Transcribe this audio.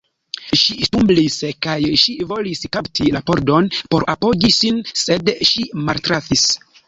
Ŝi stumblis, kaj ŝi volis kapti la pordon por apogi sin, sed ŝi maltrafis.